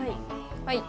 はい。